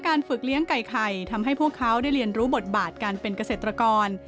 ฝึกเลี้ยงไก่ไข่ทำให้พวกเขาได้เรียนรู้บทบาทการเป็นเกษตรกร